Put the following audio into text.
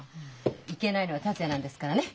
いけないのは達也なんですからね。